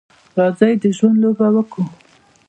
راځئ د ژوند لوبه وکړو.